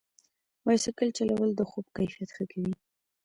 بایسکل چلول د خوب کیفیت ښه کوي.